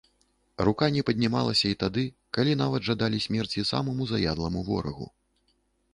Рука не паднімалася і тады, калі нават жадалі смерці самаму заядламу ворагу.